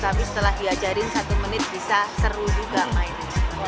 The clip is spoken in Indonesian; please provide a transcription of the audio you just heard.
tapi setelah diajarin satu menit bisa seru juga main